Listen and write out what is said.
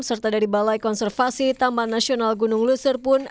serta dari balai konservasi taman nasional gunung luser pun